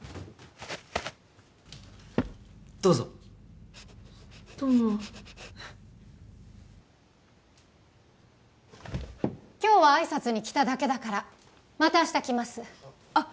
どうぞどうも今日は挨拶に来ただけだからまた明日来ますあっ